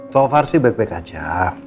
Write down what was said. so far sih baik baik aja